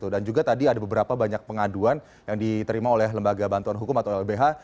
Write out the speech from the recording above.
dan juga tadi ada beberapa banyak pengaduan yang diterima oleh lembaga bantuan hukum atau lbh